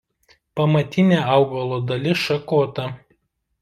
Pamatinė augalo dalis šakota.